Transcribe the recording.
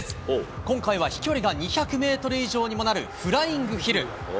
今回は飛距離が２００メートル以上にもなるフライングヒル。